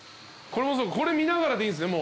これ見ながらでいいんすね？